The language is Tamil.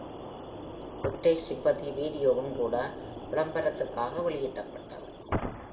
ஒற்றை "Sympathy" வீடியோவும்கூட விளம்பரத்திற்காக வெளியிடப்பட்டது.